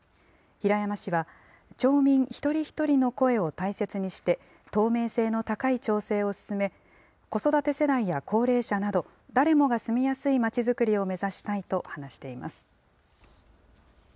平山氏は、町民一人一人の声を大切にして、透明性の高い町政を進め、子育て世代や高齢者など誰もが住みやすいまちづくりを目指したいと話しています。